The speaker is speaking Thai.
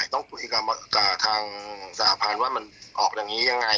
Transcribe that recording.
ต้องคุยกับทางสหภัณฑ์ว่ามันออกอย่างนี้ยังไง